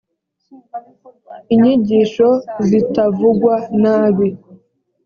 inyigisho zitavugwa nabi